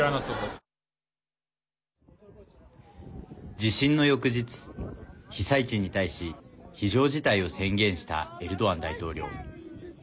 地震の翌日、被災地に対し非常事態を宣言したエルドアン大統領。